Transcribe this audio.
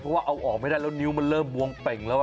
เพราะว่าเอาออกไม่ได้แล้วนิ้วมันเริ่มบวมเป่งแล้ว